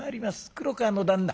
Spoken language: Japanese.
黒川の旦那